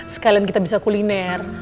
sekalian kita bisa kuliner